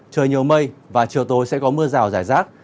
trời nhiều mây và chiều tối sẽ có mưa rào rải rác